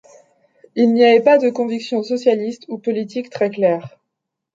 Il n’y avait pas de conviction socialiste ou politique très claire.